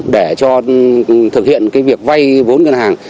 để cho thực hiện cái việc vay vốn ngân hàng